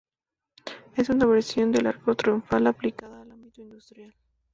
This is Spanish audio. Es una versión de arco triunfal aplicada al ámbito industrial.